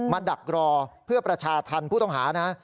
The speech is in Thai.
ดักรอเพื่อประชาธรรมผู้ต้องหานะ